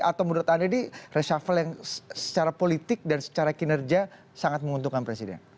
atau menurut anda ini reshuffle yang secara politik dan secara kinerja sangat menguntungkan presiden